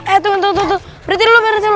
eh tunggu tunggu tunggu berhenti dulu berhenti dulu